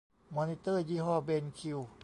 มอนิเตอร์ยี่ห้อเบนคิว